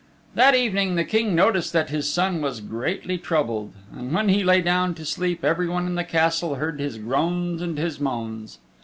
That evening the King noticed that his son was greatly troubled. And when he lay down to sleep everyone in the Castle heard his groans and his moans.